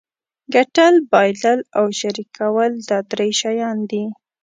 ګټل بایلل او شریکول دا درې شیان دي.